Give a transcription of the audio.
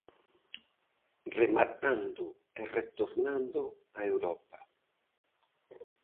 Rematando e retornando a Europa.